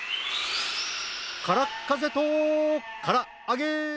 からっかぜとからっあげ！